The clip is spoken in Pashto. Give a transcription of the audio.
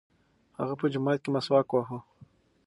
هغه په جومات کې مسواک واهه.